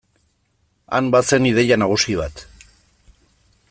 Han bazen ideia nagusi bat.